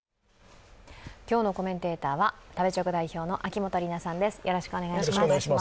今日のコメンテーターは、食べチョク代表の秋元里奈さんです。